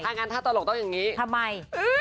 งั้นถ้าตลกต้องอย่างนี้ทำไม